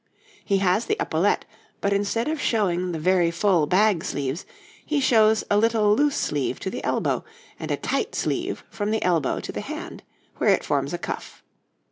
He has the epaulette, but instead of showing the very full bag sleeves he shows a little loose sleeve to the elbow, and a tight sleeve from the elbow to the hand, where it forms a cuff.